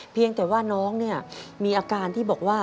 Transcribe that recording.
เพียงแต่ว่าน้องเนี่ยมีอาการที่บอกว่า